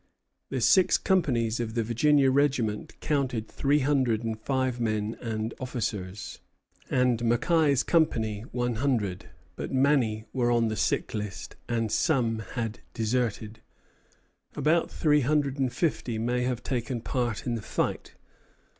The six companies of the Virginia regiment counted three hundred and five men and officers, and Mackay's company one hundred; but many were on the sick list, and some had deserted. About three hundred and fifty may have taken part in the fight.